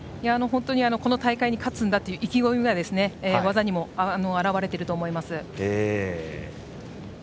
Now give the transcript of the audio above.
この大会に勝つんだという意気込みが技にも表われてると思います。